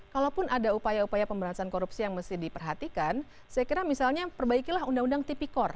kalaupun ada upaya upaya pemberantasan korupsi yang mesti diperhatikan saya kira misalnya perbaikilah undang undang tipikor